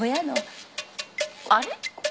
あれ？